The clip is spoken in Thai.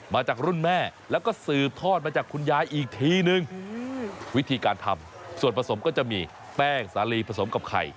มาจากรุ่นแม่แล้วก็สืบทอดมาจากคุณยายอีกทีนึงวิธีการทำส่วนผสมก็จะมีแป้งสาลีผสมกับไข่